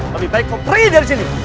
lebih baik kau pergi dari sini